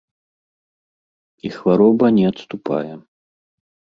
І хвароба не адступае.